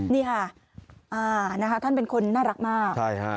นี่ค่ะนะคะท่านเป็นคนน่ารักมากใช่ฮะ